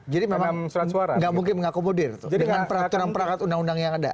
jadi memang nggak mungkin mengakomodir dengan peraturan perangkat undang undang yang ada